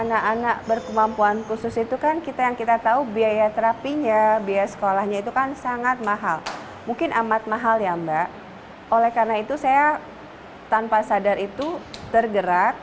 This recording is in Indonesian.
yaya seri saya memotivasi saya untuk memberikan yayasan ini